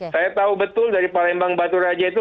saya tahu betul dari palembang ke baturaja itu